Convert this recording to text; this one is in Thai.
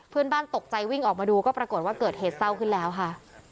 เพื่อนบ้านตกใจวิ่งออกมาดูก็ปรากฏว่าเกิดเหตุเศร้าขึ้นแล้วค่ะ